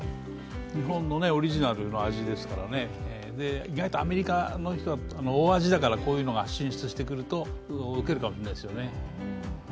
日本のオリジナルの味ですからね、意外とアメリカの人は大味だから、こういうのが進出してくるとウケるかもしれないですよね。